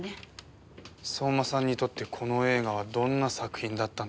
相馬さんにとってこの映画はどんな作品だったんでしょうね？